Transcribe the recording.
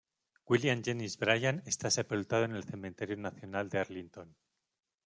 William Jennings Bryan está sepultado en el Cementerio Nacional de Arlington.